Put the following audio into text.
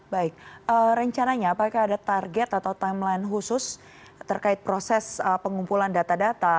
baik rencananya apakah ada target atau timeline khusus terkait proses pengumpulan data data